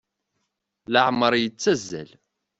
Leɛmer yettazzal.